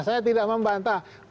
saya tidak membantah